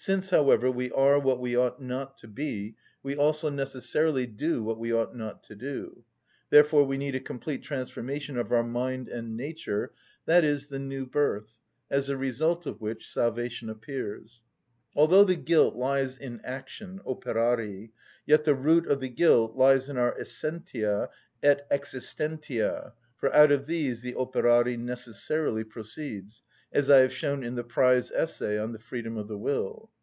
Since, however, we are what we ought not to be, we also necessarily do what we ought not to do. Therefore we need a complete transformation of our mind and nature; i.e., the new birth, as the result of which salvation appears. Although the guilt lies in action, operari, yet the root of the guilt lies in our essentia et existentia, for out of these the operari necessarily proceeds, as I have shown in the prize essay on the freedom of the will.